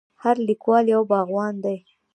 هر لیکوال یو باغوان دی.